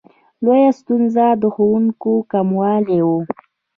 لویه ستونزه د ښوونکو کموالی و.